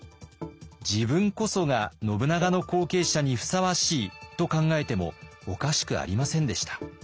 自分こそが信長の後継者にふさわしいと考えてもおかしくありませんでした。